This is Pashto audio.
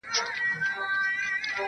حوري او ښایسته غلمان ګوره چي لا څه کیږي-